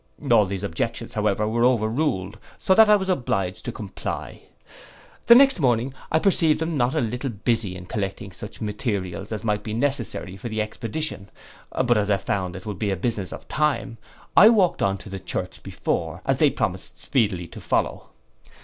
All these objections, however, were over ruled; so that I was obliged to comply. The next morning I perceived them not a little busy in collecting such materials as might be necessary for the expedition; but as I found it would be a business of time, I walked on to the church before, and they promised speedily to follow.